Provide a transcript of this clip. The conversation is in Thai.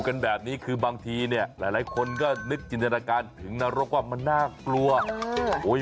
เอาอย่างนี้คุณลองไปดูไหมแล้วกลับมาบอกด้วย